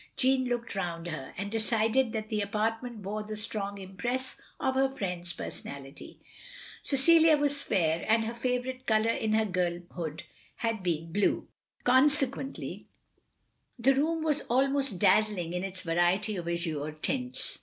Jeanne looked round her, and decided that the apartment bore the strong impress of her friend's personality. Cecilia was fair, and her favourite colour in her girlhood had been blue. Consequently the i64 THE LONELY LADY room was almost dazzling in its variety of aziire tints.